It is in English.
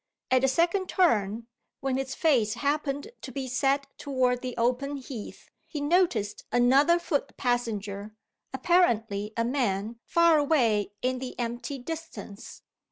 At the second turn, when his face happened to be set toward the open heath, he noticed another foot passenger apparently a man far away in the empty distance.